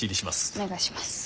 お願いします。